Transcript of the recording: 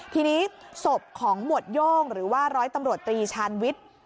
ทีนี้ศพของหมวดโย่งหรือว่าร้อยตำรวจตรีชาญวิทย์